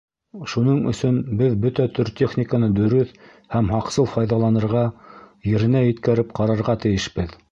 Шуның өсөн беҙ бөтә төр техниканы дөрөҫ һәм һаҡсыл файҙаланырға, еренә еткереп ҡарарға тейешбеҙ.